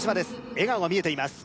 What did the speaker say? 笑顔が見えています